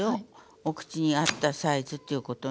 お口に合ったサイズっていうことね。